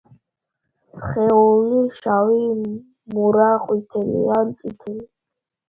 სხეული შავი, მურა, ყვითელი ან წითელი.